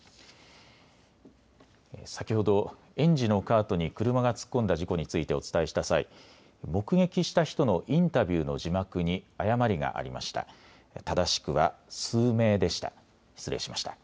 先ほど園児のカートに車が突っ込んだ事故についてお伝えした際、目撃した人のインタビューの字幕に誤りがありました。